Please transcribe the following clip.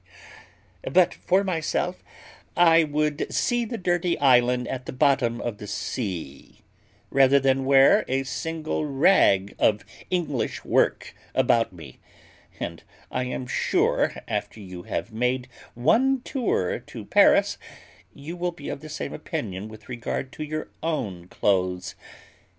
But for myself, I would see the dirty island at the bottom of the sea, rather than wear a single rag of English work about me: and I am sure, after you have made one tour to Paris, you will be of the same opinion with regard to your own clothes.